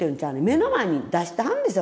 目の前に出してはるんですよ